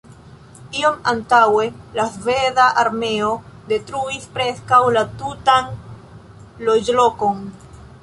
Iom antaŭe la sveda armeo detruis preskaŭ la tutan loĝlokon.